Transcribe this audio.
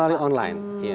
ya sekarang melalui online